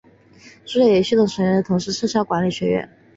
数学与系统科学学院成立同时撤销理学院。